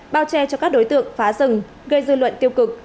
bao che cho các đối tượng phá rừng gây dư luận tiêu cực